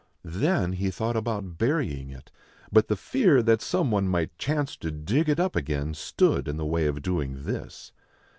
Then he thought about burying it, but the fear that some one might chance to dig it up again stood in the way of doing this.